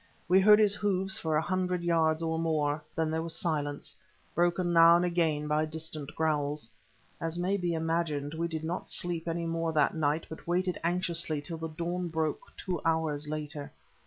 We heard his hoofs for a hundred yards or more, then there was silence, broken now and again by distant growls. As may be imagined, we did not sleep any more that night, but waited anxiously till the dawn broke, two hours later.